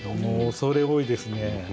恐れ多いですね。